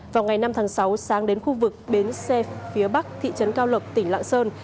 vào ngày năm tháng sáu sáng đến khu vực bến xe phía bắc thị trấn cao lộc tỉnh lạng sơn